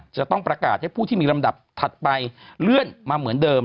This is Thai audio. จะต้องประกาศให้ผู้ที่มีลำดับถัดไปเลื่อนมาเหมือนเดิม